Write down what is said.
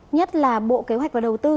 nhất là bộ kế hoạch và đầu tư